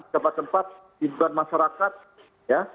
tempat tempat di bidang masyarakat ya